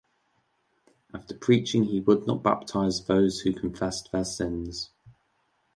After preaching he would baptise those who confessed their sins.